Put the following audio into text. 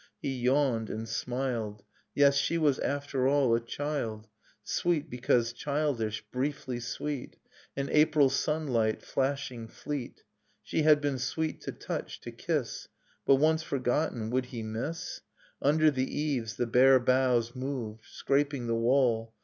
He yawned and smiled Yes, she was after all a child, — Sweet because childish, briefly sweet, — An April sunlight, flashing fleet ... She had been sweet to touch, to kiss; But once forgotten, would he miss? Under the eaves the bare boughs moved, Scraping the wall